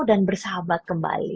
dan bersahabat kembali